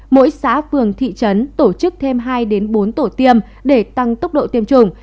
mỗi xã phường thị trấn tổ chức thêm hai bốn tổ tiêm để tăng tốc độ tiêm chủng